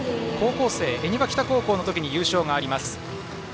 恵庭北高校の時に優勝があります。